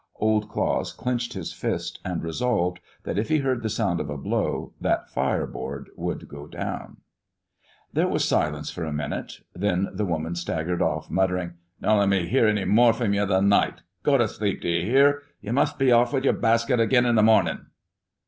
Old Claus clenched his fist, and resolved that if he heard the sound of a blow, that fireboard would go down. There was silence for a minute. Then the woman staggered off, muttering: "Don't let me hear any more from ye the night. Go to sleep, d' ye hear? You must be off with yer basket agin in the mornin'."